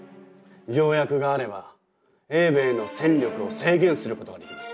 条約があれば英米の戦力を制限することができます。